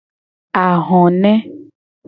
Ahone.